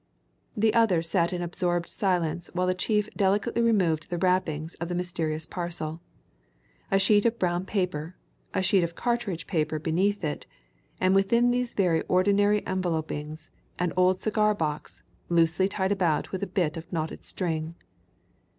The others sat in absorbed silence while the chief delicately removed the wrappings of the mysterious parcel. A sheet of brown paper, a sheet of cartridge paper beneath it and within these very ordinary envelopings an old cigar box, loosely tied about with a bit of knotted string.